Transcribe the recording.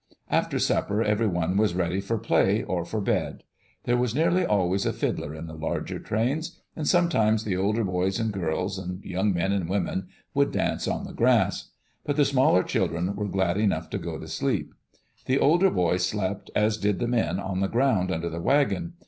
After supper everyone was ready for play or for bed. There was nearly always a fiddler In the larger trains, and sometimes the older boys and girls, and young men and women, would dance on the grass. But the smaller chil dren were glad enough to go to sleep. The older boys slept, as did the men, on the ground under the wagon.